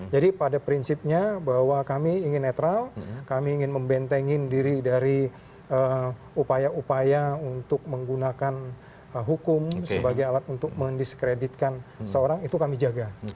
jadi pada prinsipnya bahwa kami ingin netral kami ingin membentengin diri dari upaya upaya untuk menggunakan hukum sebagai alat untuk mendiskreditkan seorang itu kami jaga